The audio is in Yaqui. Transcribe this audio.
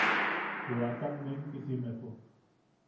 Joʼakam nenkisimepo.